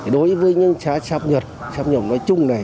đối với những xã sắp nhập sắp nhập nói chung này